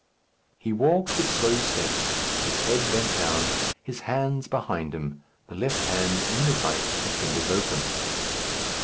He walked with slow steps, his head bent down, his hands behind him, the left hand in the right, the fingers open.